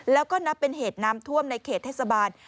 แล้วก็นับเป็นเหตุน้ำท่วมในเขตเทศบาล